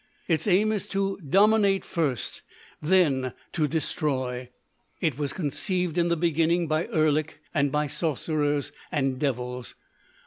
Its aim is to dominate first, then to destroy. It was conceived in the beginning by Erlik and by Sorcerers and devils....